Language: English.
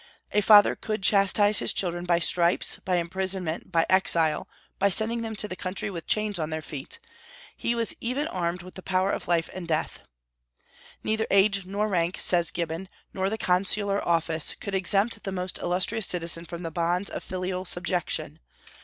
A father could chastise his children by stripes, by imprisonment, by exile, by sending them to the country with chains on their feet. He was even armed with the power of life and death. "Neither age nor rank," says Gibbon, "nor the consular office, could exempt the most illustrious citizen from the bonds of filial subjection.